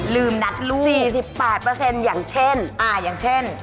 นัดลูก๔๘อย่างเช่นอย่างเช่น